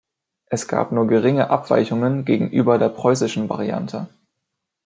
Es gab nur geringe Abweichungen gegenüber der preußischen Variante.